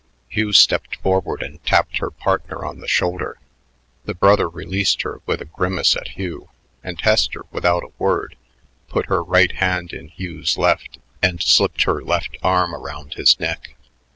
Hugh stepped forward and tapped her partner on the shoulder. The brother released her with a grimace at Hugh, and Hester, without a word, put her right hand in Hugh's left and slipped her left arm around his neck.